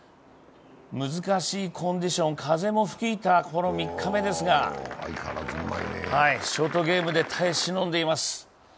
難しいコンディション、風も吹いたこの３日目ですが、ショートゲームで耐え忍んでいます。